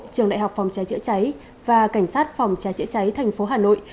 trường đại học phòng cháy chữa cháy và cảnh sát phòng cháy chữa cháy tp hà nội